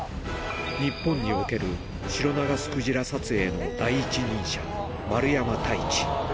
日本におけるシロナガスクジラ撮影の第一人者、丸山太一。